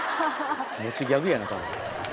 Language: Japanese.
持ちギャグやな。